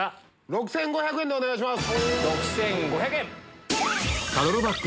６５００円でお願いします。